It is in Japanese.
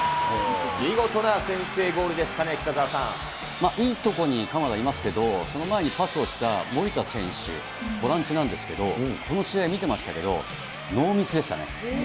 見事な先制ゴールでしたね、いい所に鎌田いますけれども、その前にパスをした守田選手、ボランチなんですけれども、この試合見てましたけど、ノーミスでしたね。